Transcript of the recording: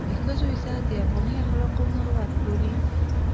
د ښځو عزت د افغاني اخلاقو مروت بولي.